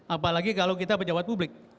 apalagi kalau kita pejabat publik